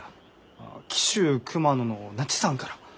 あ紀州熊野の那智山から。